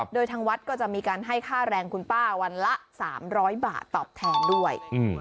โดยทางวัดก็จะมีการให้ค่าแรงคุณป้าวันละ๓๐๐บาทตอบแทนด้วย